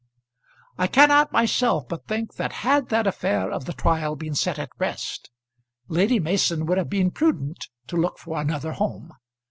I cannot myself but think that had that affair of the trial been set at rest Lady Mason would have been prudent to look for another home.